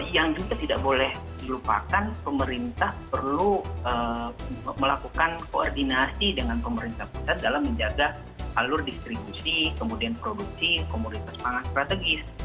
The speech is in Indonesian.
yang juga tidak boleh dilupakan pemerintah perlu melakukan koordinasi dengan pemerintah pusat dalam menjaga alur distribusi kemudian produksi komoditas pangan strategis